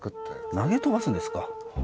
投げ飛ばすんですか？